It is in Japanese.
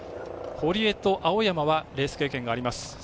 堀江と青山はレース経験があります。